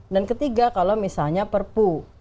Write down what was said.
dan ketiga kalau misalnya perpu